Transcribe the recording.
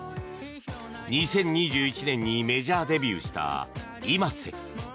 ２０２１年にメジャーデビューしたｉｍａｓｅ。